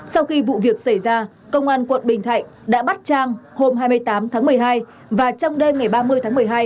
sau khi vụ việc xảy ra công an quận bình thạnh đã bắt trang hôm hai mươi tám tháng một mươi hai và trong đêm ngày ba mươi tháng một mươi hai